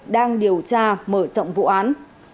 đang điều tra mở rộng vụ án